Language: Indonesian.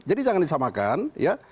jadi jangan disamakan ya